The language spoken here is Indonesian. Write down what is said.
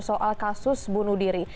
soal kasus bunuh diri